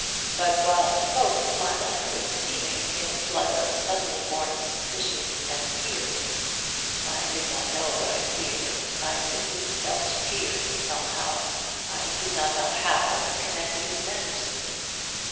But while I spoke my mind was seething in a flood of suddenly born suspicion and fear. I did not know what I feared. I simply felt fear, somehow I did not know how connected with Manderson.